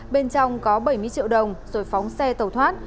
bên trong có bảy mươi triệu đồng rồi phóng xe tàu thoát